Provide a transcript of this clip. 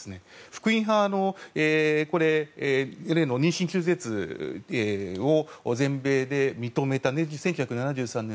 福音派は例の妊娠中絶を全米で認めた１９７３年の判決。